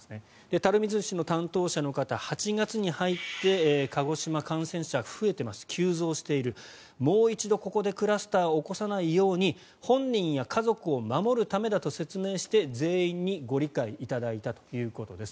垂水市の担当者の方は８月に入って鹿児島、感染者が急増しているもう一度ここでクラスターを起こさないように本人や家族を守るためだと説明して全員にご理解いただいたということです。